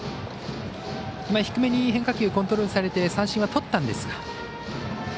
低めに変化球コントロールされて三振はとったんですが。